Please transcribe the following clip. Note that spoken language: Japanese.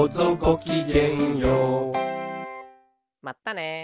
まったね。